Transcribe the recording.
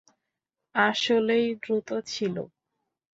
আসলেই দ্রুত ছিল!